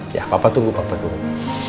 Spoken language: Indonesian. ya papa tunggu papa tunggu